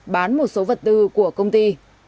bán một số vật tư của công ty